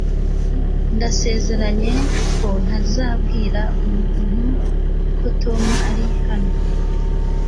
Ndasezeranye ko ntazabwira umuntu ko Tom ari hano